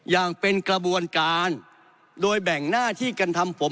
อย่างเป็นกระบวนการโดยแบ่งหน้าที่กันทำผม